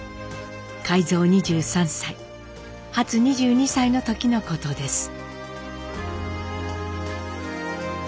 海蔵２３歳ハツ２２歳の時のことです。